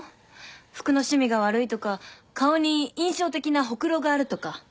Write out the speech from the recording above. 服の趣味が悪いとか顔に印象的なほくろがあるとか。